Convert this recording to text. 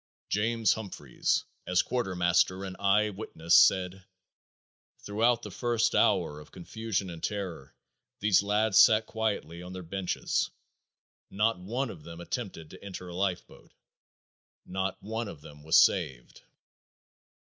James Humphries, as quartermaster and eye witness said, "throughout the first hour of confusion and terror these lads sat quietly on their benches. Not one of them attempted to enter a lifeboat. Not one of them was saved."